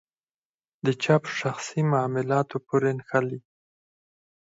د چا په شخصي معاملاتو پورې نښلي.